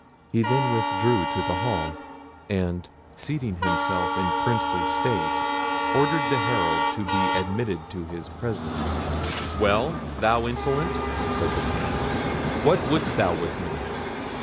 He then withdrew to the hall, and seating himself in princely state, ordered the Herald to be admitted to his presence. "Well! thou insolent!" said the Prince, "what wouldst thou with me?"